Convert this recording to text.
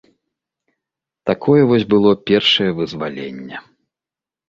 Такое вось было першае вызваленне.